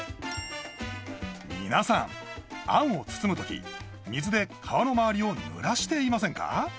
皆さん餡を包むとき水で皮の周りを濡らしていませんか？